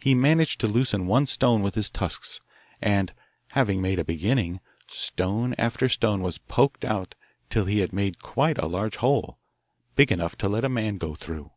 He managed to loosen one stone with his tusks, and, having made a beginning, stone after stone was poked out till he had made quite a large hole, big enough to let a man go through.